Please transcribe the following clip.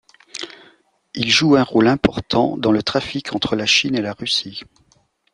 Il joue un rôle important dans le trafic entre la Chine et la Russie.